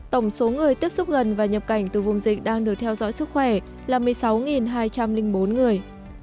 tổng số người tiếp xúc gần và nhập cảnh từ vùng dịch đang được theo dõi sức khỏe là một mươi sáu hai trăm linh bốn người